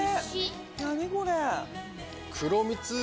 何これ！